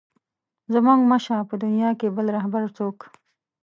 زموږ مه شه په دنیا کې بل رهبر څوک.